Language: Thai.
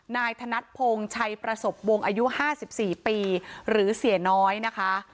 นายธนัดพงศ์ชัยประสบวงอายุ๕๔ปีหรือเสียน้อยนะคะ